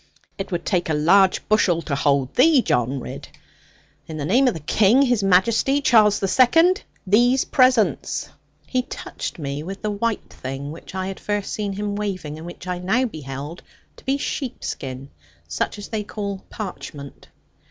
'It would take a large bushel to hold thee, John Ridd. In the name of the King, His Majesty, Charles the Second, these presents!' He touched me with the white thing which I had first seen him waving, and which I now beheld to be sheepskin, such as they call parchment.